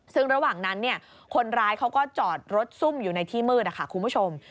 ซึ่งระหว่างนั้นคนร้ายเขาก็จอดรถซุ่มอยู่ในที่มืดค่ะคุณผู้ชม